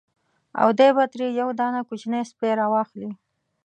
او دی به ترې یو دانه کوچنی سپی را واخلي.